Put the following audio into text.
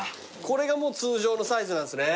これがもう通常のサイズなんですね。